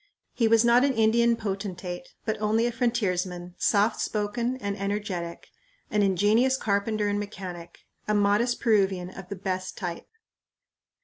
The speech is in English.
He was not an Indian potentate, but only a frontiersman, soft spoken and energetic, an ingenious carpenter and mechanic, a modest Peruvian of the best type.